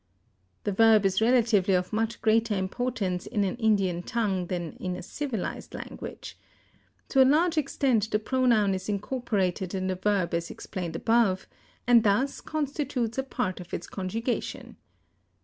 The verb is relatively of much greater importance in an Indian tongue than in a civilized language. To a large extent the pronoun is incorporated in the verb as explained above, and thus constitutes a part of its conjugation.